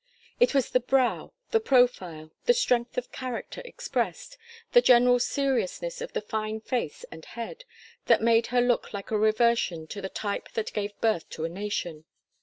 It was the brow, the profile, the strength of character expressed, the general seriousness of the fine face and head, that made her look like a reversion to the type that gave birth to a nation.